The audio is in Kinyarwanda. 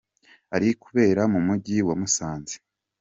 Ari kubera mu mujyi wa Musanze.